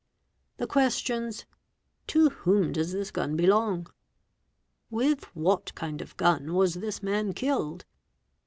: "The questions, "To whom does this gun belong?" '' With what " kind of gun was this man killed?"